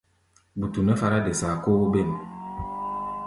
Gbutu nɛ́ fará-de-saa kó óbêm.